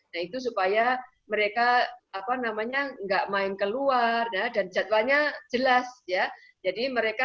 nah itu supaya mereka apa namanya enggak main keluar dan jadwalnya jelas ya jadi mereka